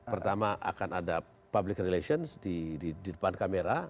pertama akan ada public relations di depan kamera